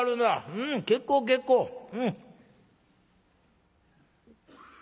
うん結構結構うん」。